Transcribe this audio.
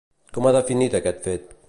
Com ha definit aquest fet?